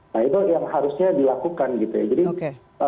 nah itu yang harusnya dilakukan gitu ya